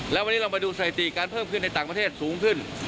แล้ววันนี้เรามาดูสถิติการเพิ่มขึ้นในต่างประเทศสูงขึ้น